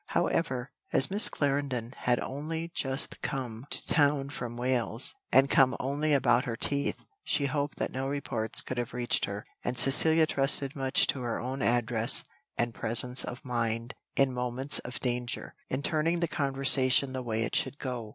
However, as Miss Clarendon had only just come to town from Wales, and come only about her teeth, she hoped that no reports could have reached her; and Cecilia trusted much to her own address and presence of mind in moments of danger, in turning the conversation the way it should go.